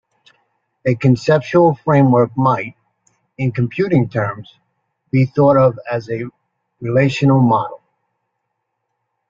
A conceptual framework might, in computing terms, be thought of as a relational model.